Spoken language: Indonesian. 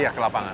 iya ke lapangan